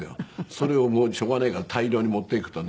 それをしょうがないから大量に持っていくとね